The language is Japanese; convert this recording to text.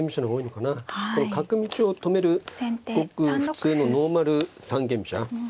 角道を止めるごく普通のノーマル三間飛車。